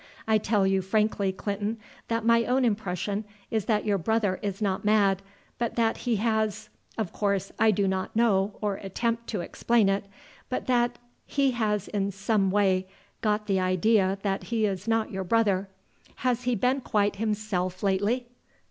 I tell you frankly, Clinton, that my own impression is that your brother is not mad, but that he has of course I do not know how, or attempt to explain it but that he has in some way got the idea that he is not your brother. Has he been quite himself lately?"